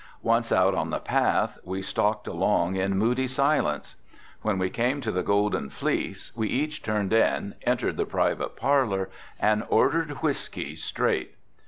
Once out on the path we stalked along in moody silence. When we came to the Golden Fleece we both turned in, entered the private parlor and ordered whiskey, straight.